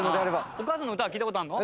お母さんの歌は聴いた事あるの？